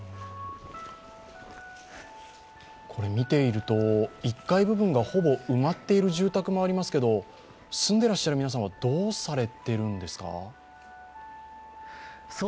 これ、見ていると、１階部分がほぼ埋まっている住宅もありますが住んでいらっしゃる皆さんは、どうされているんですか？